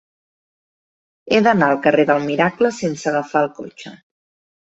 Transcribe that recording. He d'anar al carrer del Miracle sense agafar el cotxe.